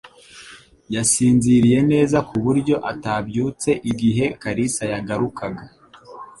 Yasinziriye neza ku buryo atabyutse igihe Kalisa yagarukaga.